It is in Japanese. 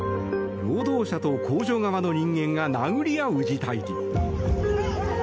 労働者と工場側の人間が殴り合う事態に。